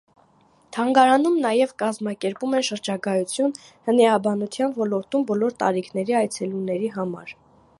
Թանգարանում նաև կազմակերպում են շրջագայություն հնէաբանության ոլորտում բոլոր տարիքների այցելուների համար։